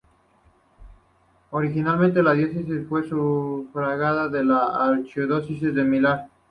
Originalmente, la diócesis fue sufragánea de la archidiócesis de Milán.